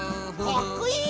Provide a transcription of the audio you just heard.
かっこいい！